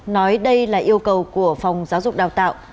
nói đây là yêu cầu của phòng giáo dục đào tạo